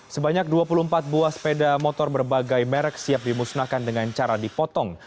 sebanyak dua puluh empat buah sepeda motor berbagai merek siap dimusnahkan dengan cara dipotong